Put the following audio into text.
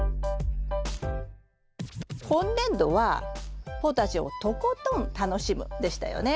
今年度は「ポタジェをとことん楽しむ」でしたよね。